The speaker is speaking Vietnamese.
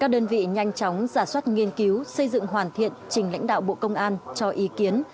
các đơn vị nhanh chóng giả soát nghiên cứu xây dựng hoàn thiện trình lãnh đạo bộ công an cho ý kiến